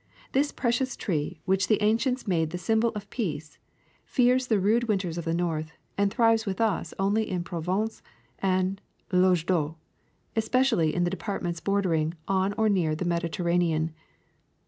This precious tree, which the ancients made the symbol of peace, fears the rude winters of the North and thrives with us only in Provence and Langue doc, especially in the de partments bordering on or near the Mediterra nean.